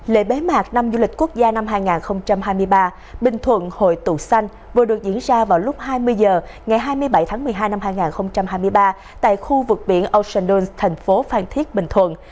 lễ bế mạc năm du lịch quốc gia năm hai nghìn hai mươi ba bình thuận hội tụ xanh vừa được diễn ra vào lúc hai mươi h ngày hai mươi bảy tháng một mươi hai năm hai nghìn hai mươi ba tại khu vực biển ocean dunes thành phố phan thiết bình thuận